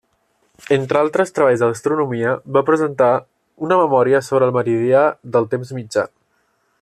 Entre altres treballs d'astronomia, va presentar una memòria sobre el meridià del temps mitjà.